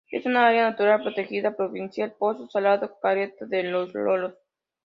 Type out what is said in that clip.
Es un Área Natural Protegida provincial: Pozo Salado Caleta de los Loros.